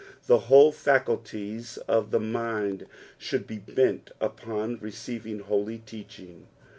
The whole faculties of the mind should be bent upon receiving holy teaching.